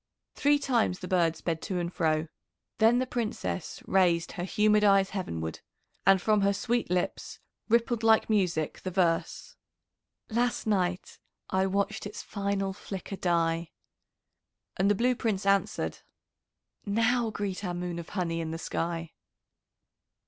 Three times the bird sped to and fro. Then the Princess raised her humid eyes heavenward, and from her sweet lips rippled like music the verse: "Last night I watched its final flicker die." And the Blue Prince answered: "Now greet our moon of honey in the sky."